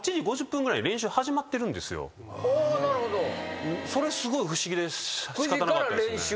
例えば。それすごい不思議で仕方なかったですね。